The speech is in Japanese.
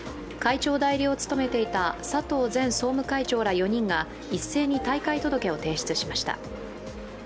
会長代理を務めていた佐藤前総務会長ら４人が一斉に退会届を提出しました。